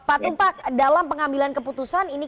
patung pak dalam pengambilan keputusan